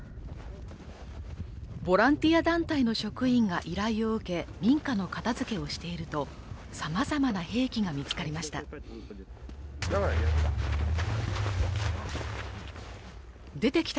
ボランティア団体の職員が依頼を受け民家の片づけをしているとさまざまな兵器が見つかりました。